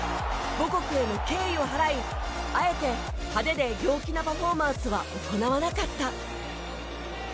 母国への敬意を払い、あえて派手で陽気なパフォーマンスを行わなかった。